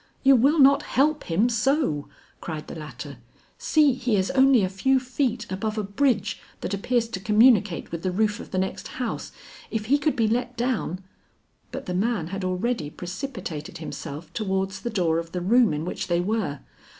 "You will not help him so," cried the latter. "See, he is only a few feet above a bridge that appears to communicate with the roof of the next house. If he could be let down " But the man had already precipitated himself towards the door of the room in which they were.